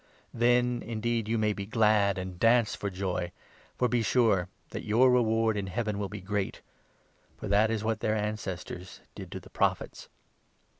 Then indeed you 23 may be glad and dance for joy, for be sure that your reward in Heaven will be great ; for that is what their ancestors did to the Prophets.